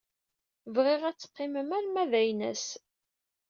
Bɣiɣ ad teqqimem arma d aynas.